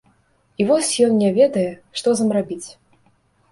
І вось ён не ведае, што з ім рабіць.